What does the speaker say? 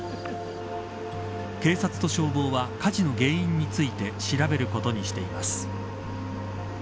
警察と消防は火事の原因について調べることにしています。